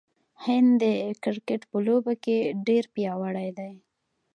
هند د کرکټ په لوبه کې ډیر پیاوړی دی.